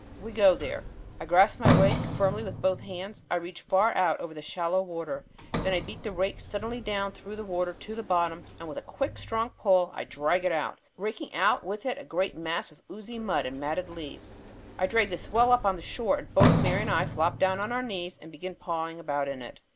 We go there. I grasp my rake firmly with both hands. I reach far out over the shallow water. Then I beat the rake suddenly down through the water to the bottom, and with a quick strong pull I drag it out, raking out with it a great mass of oozy mud and matted leaves. I drag this well up on shore, and both Mary and I flop down on our knees and begin pawing about in it.